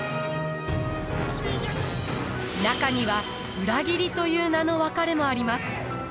中には裏切りという名の別れもあります。